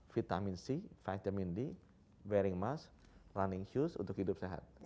vitamin c vitamin d wearing musk running huse untuk hidup sehat